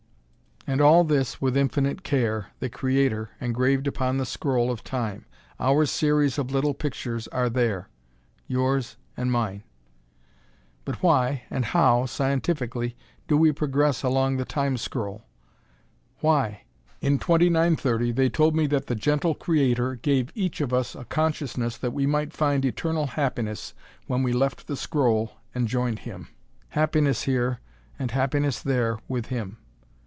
And all this, with infinite care, the Creator engraved upon the scroll of Time. Our series of little pictures are there yours and mine. But why, and how, scientifically do we progress along the Time scroll? Why? In 2930, they told me that the gentle Creator gave each of us a consciousness that we might find Eternal Happiness when we left the scroll and joined Him. Happiness here, and happiness there with Him.